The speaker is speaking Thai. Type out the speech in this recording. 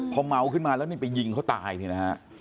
พอเมาขึ้นมาแล้วนี่ไปยิงเขาตายเนี่ยนะฮะ